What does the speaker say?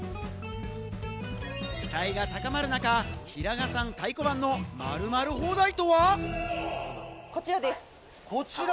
期待が高まる中、平賀さん太鼓判の〇〇放題とは？